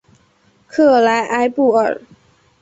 克莱埃布尔。